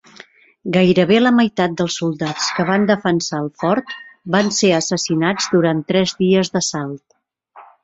Gairebé la meitat dels soldats que van defensar el fort van ser assassinats durant tres dies d'assalt.